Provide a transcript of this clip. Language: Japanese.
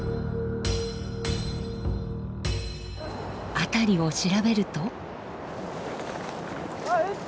辺りを調べると。